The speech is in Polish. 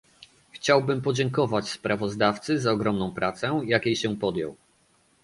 Chciałbym podziękować sprawozdawcy za ogromną pracę, jakiej się podjął